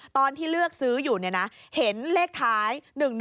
ตอนที่เลือกซื้ออยู่เห็นเลขท้าย๑๑๒